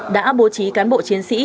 đã bố trí cán bộ chiến sĩ